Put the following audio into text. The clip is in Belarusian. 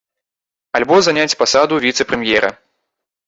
Альбо заняць пасаду віцэ-прэм'ера.